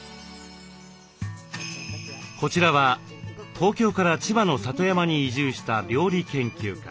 こちらは東京から千葉の里山に移住した料理研究家。